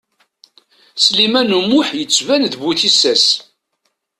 Sliman U Muḥ yettban d bu tissas.